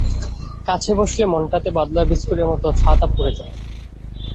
কাছে বসলে মনটাতে বাদলার বিস্কুটের মতো ছাতা পড়ে যায়।